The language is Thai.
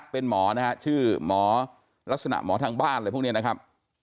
เป็นหมอนะฮะชื่อหมอลักษณะหมอทางบ้านอะไรพวกนี้นะครับ